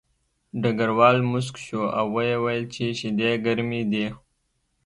ډګروال موسک شو او ویې ویل چې شیدې ګرمې دي